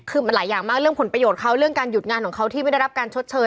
คือมันหลายอย่างมากเรื่องผลประโยชน์เขาเรื่องการหยุดงานของเขาที่ไม่ได้รับการชดเชย